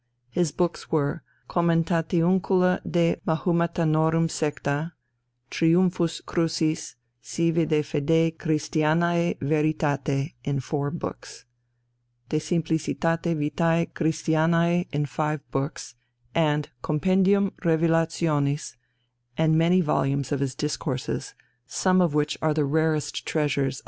His works were: Commentatiuncula de Mahumetanorum secta; Triumphus crucis, sive de fidei Christianae veritate in four books (1497), de Simplicitate vitae Christianae in five books, and Compendium Revelationis (1495), and many volumes of his discourses, some of which are the rarest treasures of incunabula.